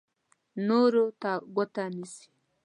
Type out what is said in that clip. نورو ته ګوته نیسي.